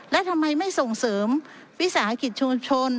และทำไมไม่ส่งเสริมวิสาหกิจชุมชน